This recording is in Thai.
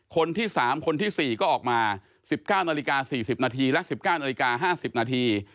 คนที่สามคนที่สี่ก็ออกมาสิบเก้านาฬิกาสี่สิบนาทีและสิบเก้านาฬิกาห้าสิบนาที